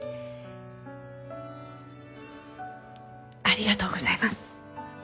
ありがとうございます。